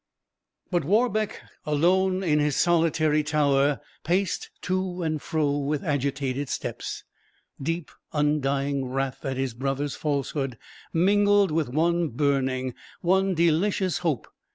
But Warbeck, alone in his solitary tower, paced to and fro with agitated steps. Deep, undying wrath at his brother's falsehood mingled with one burning, one delicious hope.